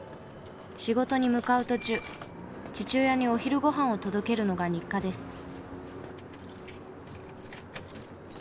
仕事に向かう途中父親にお昼御飯を届けるのが日課です。